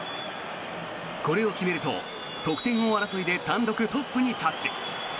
これを決めると得点王争いで単独トップに立つ。